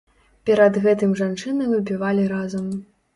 Перад гэтым жанчыны выпівалі разам.